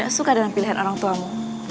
aku tidak suka dengan pilihan orang tuamu